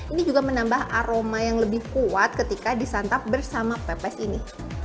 ini juga menambah aroma yang lebih kuat ketika disantap bersama pepes ini